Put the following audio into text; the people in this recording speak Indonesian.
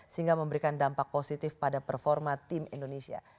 sehingga memberikan dampak positif pada performa tim indonesia